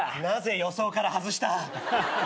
なぜ予想から外した！？